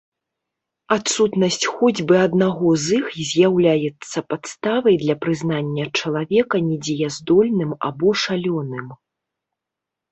Адсутнасць хоць бы аднаго з іх з'яўляецца падставай для прызнання чалавека недзеяздольным або шалёным.